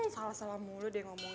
salah salah mulu deh ngomongnya